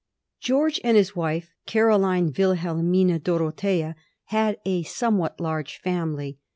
Gbobge, and his wife Caroline Wilhelinina Dorothea^ had a somewhat large family.